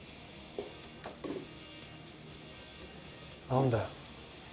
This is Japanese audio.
何だよ。